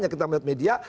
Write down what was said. kita melihat media